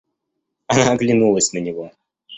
Она оглянулась на него.